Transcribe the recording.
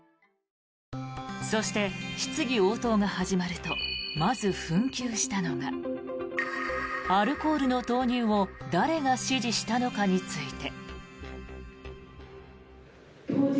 そして、質疑応答が始まるとまず紛糾したのがアルコールの投入を誰が指示したのかについて。